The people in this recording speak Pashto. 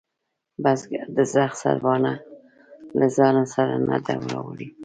بزگر د زخ سرباڼه له ځانه سره نه ده راوړې.